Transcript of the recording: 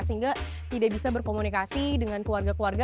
sehingga tidak bisa berkomunikasi dengan keluarga keluarga